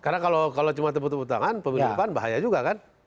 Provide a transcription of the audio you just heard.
karena kalau cuma tepuk tepuk tangan pemilipan bahaya juga